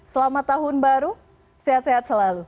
selamat tahun baru sehat sehat selalu